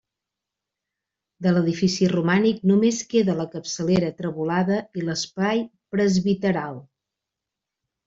De l'edifici romànic només queda la capçalera trevolada i l'espai presbiteral.